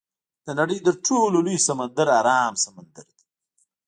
د نړۍ تر ټولو لوی سمندر ارام سمندر دی.